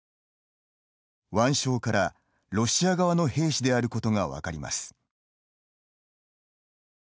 腕章から、ロシア側の兵士であることが分かります。